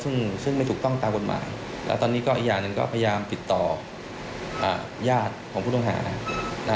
ซึ่งมันไม่ถูกต้องตามคนหมายและตอนนี้อีกอย่างก็พยายามติดต่อยาทของผู้ตัวอ